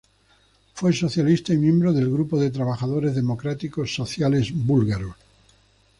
Fue socialista y miembro del Grupo de Trabajadores Democráticos Sociales Búlgaros.